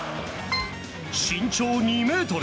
身長２ｍ。